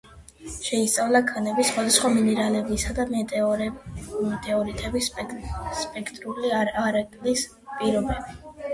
შეისწავლა ქანების, სხვადასხვა მინერალებისა და მეტეორიტების სპექტრული არეკვლის პირობები.